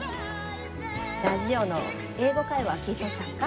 ラジオの「英語会話」聴いとったんか？